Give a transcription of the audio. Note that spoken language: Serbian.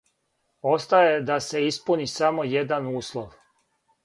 Остаје да се испуни само један услов.